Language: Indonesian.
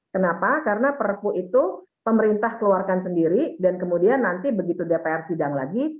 kenapa karena perpu itu pemerintah keluarkan sendiri dan kemudian nanti begitu dpr sidang lagi